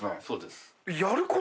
そうです。